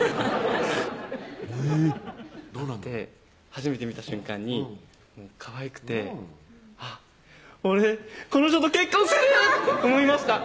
初めて見た瞬間にかわいくてあっ俺この人と結婚する！と思いました